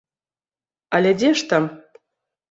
Але дзе ж там!